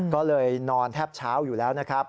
ก็เลยนอนแทบเช้าอยู่แล้วนะครับ